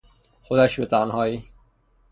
خودش به تنهایی